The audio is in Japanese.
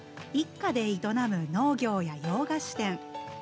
一家で営む農業や洋菓子店。